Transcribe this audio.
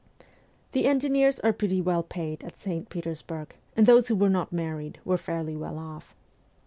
The engineers are pretty well paid at St. Petersburg, and those who were not married were fairly well off.